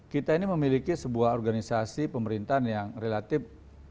kita ini memiliki sebuah organisasi pemerintahan yang relatif